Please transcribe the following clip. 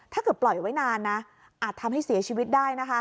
ถ้าเกิดปล่อยไว้นานนะอาจทำให้เสียชีวิตได้นะคะ